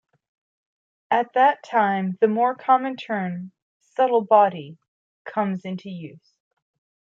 At that time, the more common term "subtle body" comes into use.